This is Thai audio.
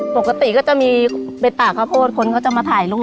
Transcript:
ปกติก็จะมีเบ็ดตากระโพดคนก็จะมาถ่ายลูก